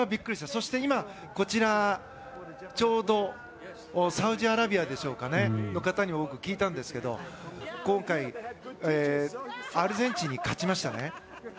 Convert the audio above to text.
そして今、こちらちょうどサウジアラビアの方に僕、聞いたんですけど今回、アルゼンチンに勝ちましたね。